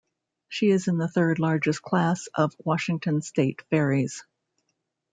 She is in the third largest class of Washington State Ferries.